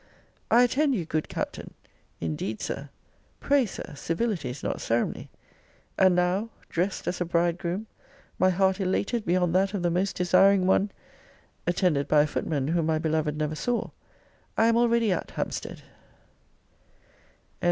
I attend you, good Captain Indeed, Sir Pray, Sir civility is not ceremony. And now, dressed as a bridegroom, my heart elated beyond that of the most desiring one, (attended by a footman whom my beloved never saw,) I am already at Hampstead!